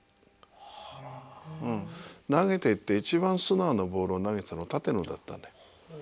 投げていって一番素直なボールを投げてたのは立野だったんだよ。